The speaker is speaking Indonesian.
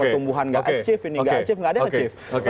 pertumbuhan nggak achieve ini nggak achip nggak ada achieve